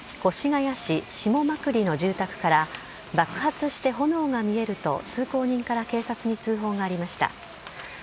午前３時半過ぎ、越谷市下間久里の住宅から爆発して炎が見えると、通行人から警察に通報がありました。